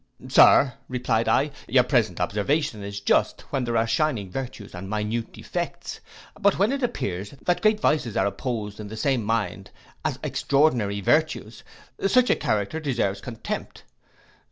'Sir,' replied I, 'your present observation is just, when there are shining virtues and minute defects; but when it appears that great vices are opposed in the same mind to as extraordinary virtues, such a character deserves contempt.